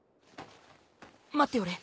待っておれ。